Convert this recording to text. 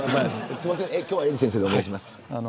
すみません、今日は英二先生でお願いします。